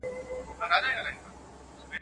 لټوي د نجات لاري او غارونه.